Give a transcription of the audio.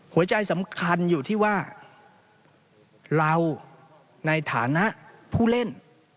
หัวใจสำคัญอยู่ที่ว่าเราในฐานะผู้เล่น